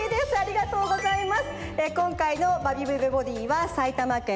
ありがとうございます。